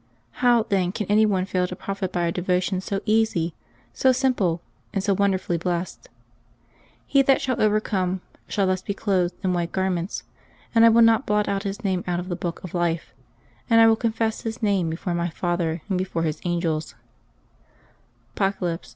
How, then, can any one fail to profit by a devotion so easy, so simple, and so wonderfully blessed ?" He that shall overcome, shall thus be clothed in white garments, and I will not blot out his name out of the book of life, and I will confess his name before My Father and before His angels" (Apoc.